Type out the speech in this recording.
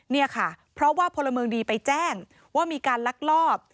เนี่ยค่ะเพราะว่าพลเมืองดีไปแจ้งว่ามีการลักลอบ